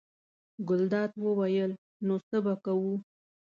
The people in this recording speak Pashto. ګلداد وویل: نو څه به کوو.